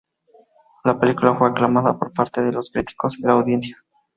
La película fue aclamada por parte de los críticos y la audiencia.